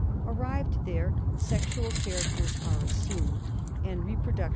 Arrived there, sexual characters are assumed ANKYLOSTOMIASIS.